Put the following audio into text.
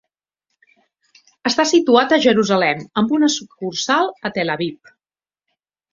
Està situat a Jerusalem, amb una sucursal a Tel Aviv.